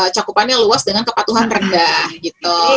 cakupannya luas dengan kepatuhan rendah gitu